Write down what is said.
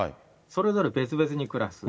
それぞれ別々に暮らす。